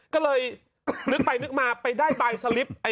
ก็เลยนึกไปนึกมาไปได้ใบสลิป